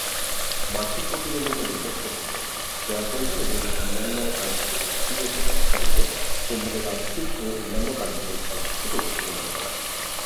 বার্ষিক প্রতিবেদনের উদ্দেশ্য হল শেয়ারহোল্ডার এবং অন্যান্য আগ্রহী ব্যক্তি ও প্রতিষ্ঠানকে কোম্পানির আর্থিক ও অন্যান্য কার্যক্রম সম্পর্কে তথ্য প্রদান করা।